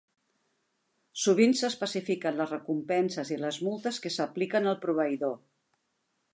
Sovint s'especifiquen les recompenses i les multes que s'apliquen al proveïdor.